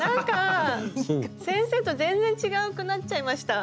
先生と全然違くなっちゃいました。